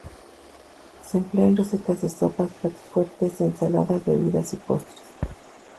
Se emplea en recetas de sopas, platos fuertes, ensaladas, bebidas y postres.